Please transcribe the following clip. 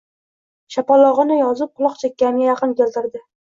Shapalog‘ini yozib quloq-chakkamga yaqin keltirdi.